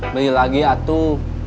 beli lagi atuh